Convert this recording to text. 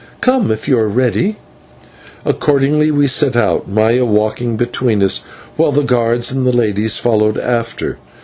Come, if you are ready." Accordingly we set out, Maya walking between us, while her guards and ladies followed after.